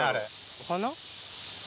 お花？